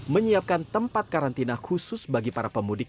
menyiapkan tempat karantina khusus bagi para pemudik